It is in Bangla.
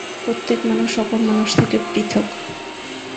প্রত্যেক মানুষ অপর মানুষ থেকে পৃথক্।